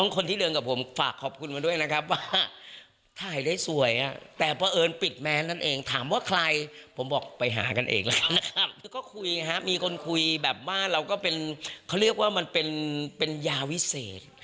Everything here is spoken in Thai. แล้วก็คุยครับมีคนคุยแบบว่าเราก็เป็นเขาเรียกว่ามันเป็นยาวิเศษ